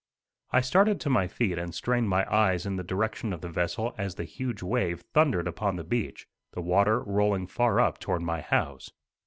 I started to my feet and strained my eyes in the direction of the vessel as the huge wave thundered upon the beach, the water rolling far up toward my house.